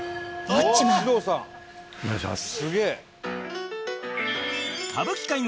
お願いします。